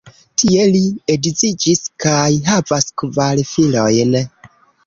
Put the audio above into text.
Tie li edziĝis kaj havas kvar filojn.